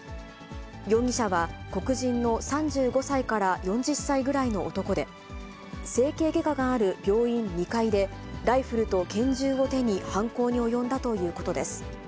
容疑者は黒人の３５歳から４０歳ぐらいの男で、整形外科がある病院２階で、ライフルと拳銃を手に犯行に及んだということです。